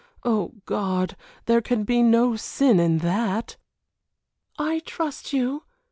Oh, God! there can be no sin in that." "I trust you!"